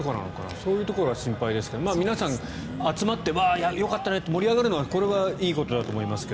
そういうところは心配ですが皆さん集まってよかったねって盛り上がるのはいいことだと思いますが。